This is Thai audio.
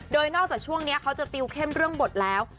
โดยนอกจากช่วงนี้เขาจะติวเข้มเรื่องบทแล้ว